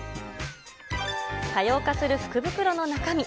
多様化する福袋の中身。